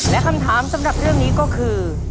และคำถามสำหรับเรื่องนี้ก็คือ